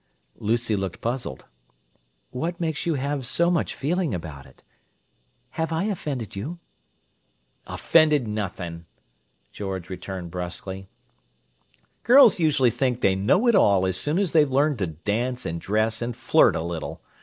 Lucy looked puzzled. "What makes you have so much feeling about it? Have I offended you?" "'Offended' nothing!" George returned brusquely. "Girls usually think they know it all as soon as they've learned to dance and dress and flirt a little.